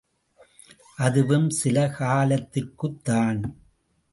அதுவும் சில காலத்திற்குத்தான்!